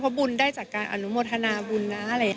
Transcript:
เพราะบุญได้จากการอนุโมทนาบุญนะ